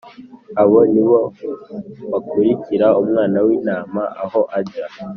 Abo ni bo bakurikira Umwana w Intama aho ajya